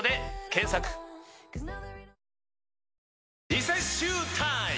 リセッシュータイム！